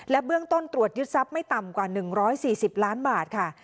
เบื้องต้นตรวจยึดทรัพย์ไม่ต่ำกว่า๑๔๐ล้านบาทค่ะ